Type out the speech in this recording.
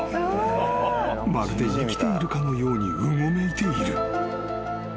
［まるで生きているかのようにうごめいている］